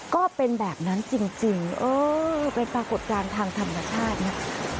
ก็เป็นแบบนั้นจริงเออเป็นปรากฏการณ์ทางธรรมชาตินะ